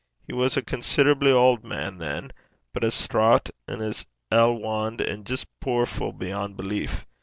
He was a gey (considerably) auld man than, but as straucht as an ellwand, and jist pooerfu' beyon' belief.